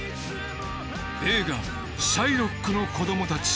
映画『シャイロックの子供たち』。